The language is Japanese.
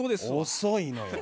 遅いのよ。